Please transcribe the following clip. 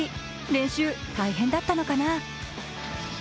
練習、大変だったのかな？